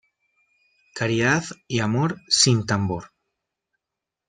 Caridad y amor, sin tambor.